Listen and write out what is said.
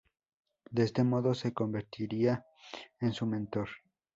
De este modo, se convertiría en su mentor.